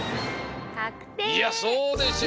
いやそうでしょ。